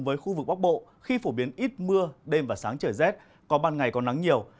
với khu vực bắc bộ khi phổ biến ít mưa đêm và sáng trời rét có ban ngày có nắng nhiều